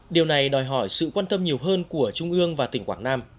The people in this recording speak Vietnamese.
điều này đòi hỏi sự quan tâm nhiều hơn của trung ương và tỉnh quảng nam